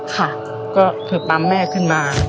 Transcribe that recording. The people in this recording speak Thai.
ค่ะก็คือปั๊มแม่ขึ้นมา